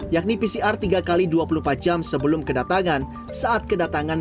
yakni pcr tiga x dua puluh empat jam sebelum kedatangan saat kedatangan